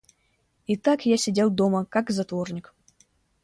И так я сидел дома как затворник.